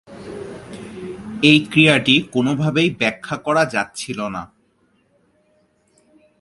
এই ক্রিয়াটি কোনভাবেই ব্যাখ্যা করা যাচ্ছিলোনা।